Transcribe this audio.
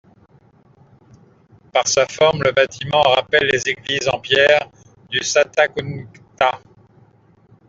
Par sa forme, le bâtiment rappelle les églises en pierre du Satakunta.